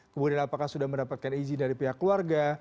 kemudian apakah sudah mendapatkan izin dari pihak keluarga